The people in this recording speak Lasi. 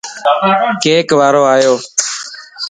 ڪيڪ وارو آيووَ